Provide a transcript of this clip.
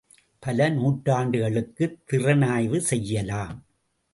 பல நூற்றாண்டுகளுக்குத் திறனாய்வு செய்யலாம்.